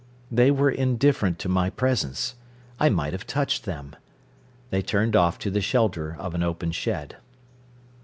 They were indifferent to my presence. I might have touched them. They turned off to the shelter of an open shed.